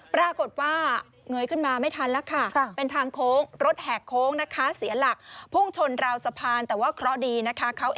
ปรากฏว่าเงยขึ้นมาไม่ทันแล้วค่ะ